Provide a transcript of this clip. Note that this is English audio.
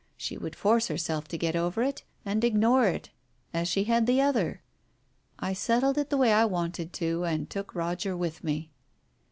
She would force herself to get over it, and ignore it as she had the other. I settled it the way I wanted to and took Roger with me.